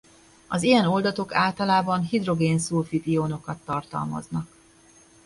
Az ilyen oldatok általában hidrogén-szulfit-ionokat tartalmaznak.